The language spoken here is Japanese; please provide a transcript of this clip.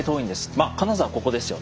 まあ金沢ここですよね。